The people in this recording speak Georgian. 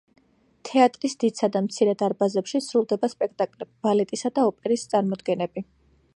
თეატრის დიდსა და მცირე დარბაზებში სრულდება სპექტაკლები, ბალეტისა და ოპერის წარმოდგენები.